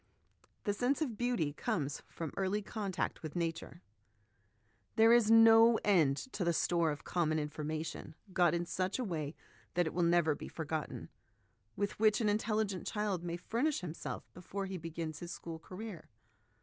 The Sense of Beauty comes from Early Con tact with Nature. There is no end to the store of common information, got in such a way that it will never be forgotten, with which an intelligent child may furnish himself before he begins his school career.